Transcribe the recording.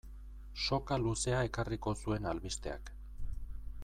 Soka luzea ekarriko zuen albisteak.